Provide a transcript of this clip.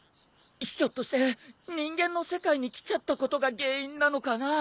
ひょっとして人間の世界に来ちゃったことが原因なのかな？